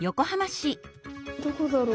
どこだろう？